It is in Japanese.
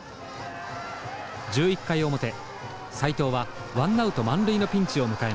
１１回表斎藤はワンナウト満塁のピンチを迎えます。